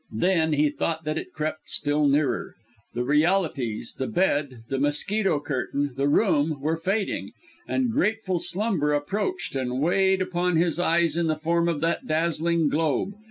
Then, he thought that it crept still nearer. The realities the bed, the mosquito curtain, the room were fading, and grateful slumber approached, and weighed upon his eyes in the form of that dazzling globe.